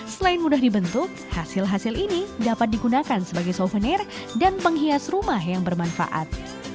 selain mudah dibentuk hasil hasil ini dapat digunakan sebagai souvenir dan penghias rumah yang bermanfaat